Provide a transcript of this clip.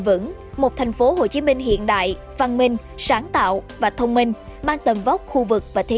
vững một thành phố hồ chí minh hiện đại văn minh sáng tạo và thông minh mang tầm vóc khu vực và thế